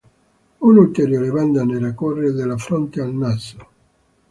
Un'ulteriore banda nera corre dalla fronte al naso.